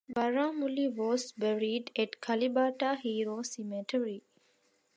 Baramuli was buried at Kalibata Heroes Cemetery.